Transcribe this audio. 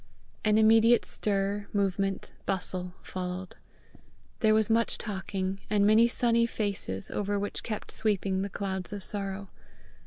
An immediate stir, movement, bustle, followed. There was much talking, and many sunny faces, over which kept sweeping the clouds of sorrow.